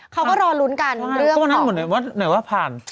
เค้าก็รอลุ้นกันเรื่องของมันไปเต้านั่งหมดไหนว่าผ่าน